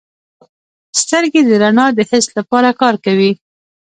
سترګې د رڼا د حس لپاره کار کوي.